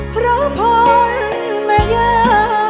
พระผลไม่เยอะ